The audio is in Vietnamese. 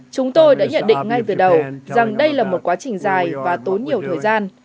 chúng tôi đã nhận định ngay từ đầu rằng đây là một quá trình dài và tốn nhiều thời gian